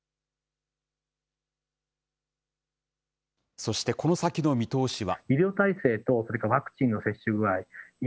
そしてこの先の見通しは。